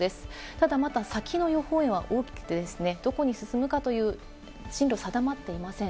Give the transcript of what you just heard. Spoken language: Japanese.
ただ、まだ先の予報円は大きくてですね、どこに進むかという進路が定まっていません。